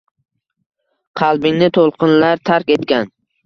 Qalbingni to’lqinlar tark etgan